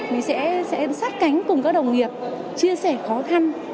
mình sẽ sát cánh cùng các đồng nghiệp chia sẻ khó khăn